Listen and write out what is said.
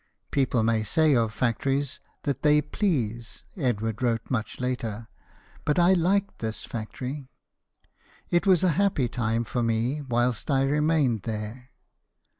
" People may say of factories what they please," Edward wrote much later, " but I liked this factory. It was a happy time for me whilst I remained there.